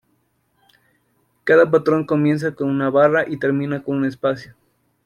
Cada patrón comienza con una barra y termina con un espacio.